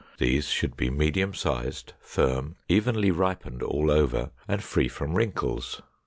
These should be medium sized, firm, evenly ripened all over, and free from wrinkles.